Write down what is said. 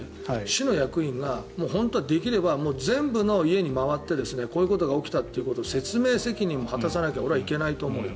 市の役員が本当はできれば全部の家に回ってこういうことが起きたということを説明責任を果たさないと俺はいけないと思うよ。